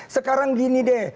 sekarang gini deh